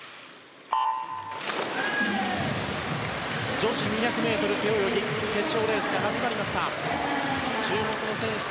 女子２００ｍ背泳ぎ決勝レースが始まりました。